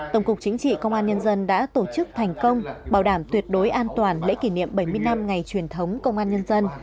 tổng cục chính trị công an nhân dân đã tổ chức thành công bảo đảm tuyệt đối an toàn lễ kỷ niệm bảy mươi năm ngày truyền thống công an nhân dân